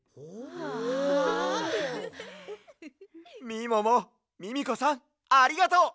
みももミミコさんありがとう！